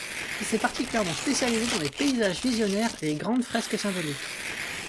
Il s'est particulièrement spécialisé dans les paysages visionnaires et les grandes fresques symboliques.